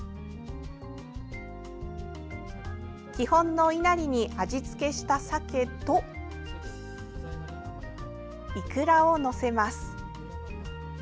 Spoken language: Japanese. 基本のいなりに味付けしたさけといくらを載せます。